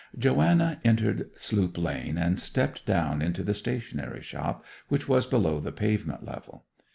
Joanna entered Sloop Lane and stepped down into the stationery shop, which was below the pavement level.